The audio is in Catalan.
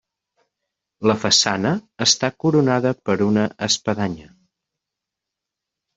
La façana està coronada per una espadanya.